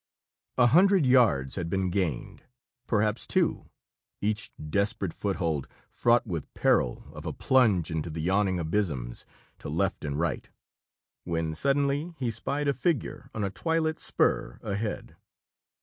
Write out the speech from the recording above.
A hundred yards had been gained, perhaps two each desperate foothold fraught with peril of a plunge into the yawning abysms to left and right when suddenly he spied a figure on a twilit spur ahead.